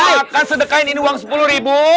saya akan sedekahin ini uang sepuluh ribu